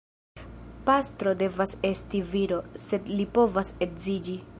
Pastro devas esti viro, sed li povas edziĝi.